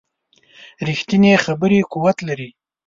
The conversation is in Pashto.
ریښتینې خبرې قوت لري